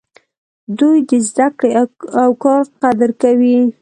دوی د زده کړې او کار قدر کوي.